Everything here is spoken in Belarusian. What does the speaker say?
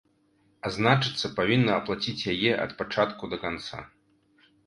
А значыцца, павінна аплаціць яе ад пачатку да канца.